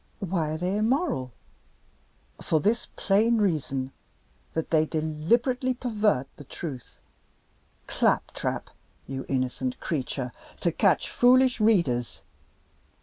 "Why are they immoral?" "For this plain reason, that they deliberately pervert the truth. Clap trap, you innocent creature, to catch foolish readers!